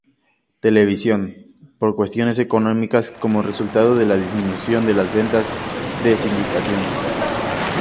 Television, por "cuestiones económicas" como resultado de la disminución de las ventas de sindicación.